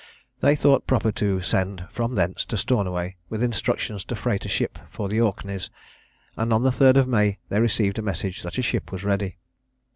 They thought proper to send from thence to Stornoway, with instructions to freight a ship for the Orkneys; and on the 3d of May they received a message that a ship was ready.